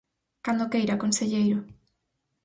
Cando queira, conselleiro.